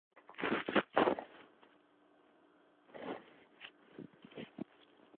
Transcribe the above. En cambio, el enfoque filosófico es puramente conceptual.